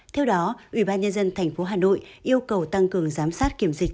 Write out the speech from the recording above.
theo đó ủy ban nhân dân tp hà nội yêu cầu tăng cường giám sát kiểm dịch